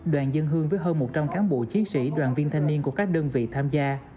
đoàn dân hương với hơn một trăm linh cán bộ chiến sĩ đoàn viên thanh niên của các đơn vị tham gia